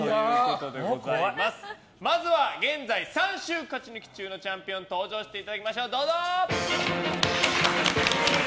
まずは現在３週勝ち抜き中のチャンピオン登場していただきましょう。